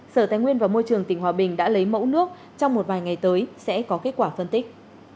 sở tài nguyên và môi trường tỉnh hòa bình đã lấy mẫu nước trong một vài ngày tới sẽ có kết quả phân tích